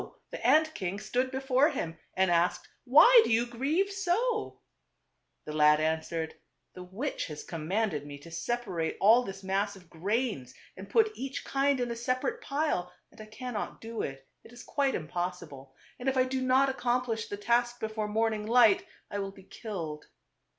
the ant king stood before him, and asked, " Why do you grieve so ?" The lad answered, " The witch has commanded me to separate all this mass of grains and put TWO BROTHERS. 295 each kind in a separate pile, and I cannot do it ; it is quite impossible. And if I do not accom plish the task before morning light, I will be killed."